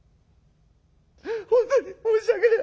本当に申し訳ねえ。